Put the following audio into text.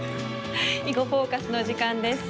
「囲碁フォーカス」の時間です。